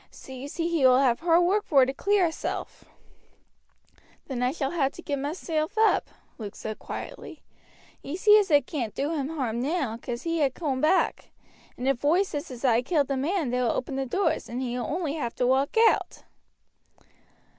So you see he will have hard work vor to clear hisself." "Then I shall ha' to give meself up," Luke said quietly. "Ye see as it can't do him harm now, 'cause he ha' coom back; and ef oi says as I killed the man they will open the doors, and he will only have to walk out."